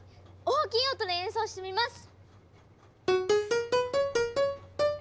大きい音で演奏してみます！